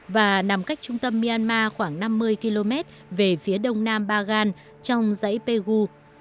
và nằm cách trung tâm myanmar khoảng năm mươi km về phía đông nam bagan trong dãy pegu